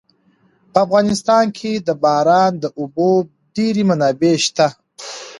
په افغانستان کې د باران د اوبو ډېرې منابع شته.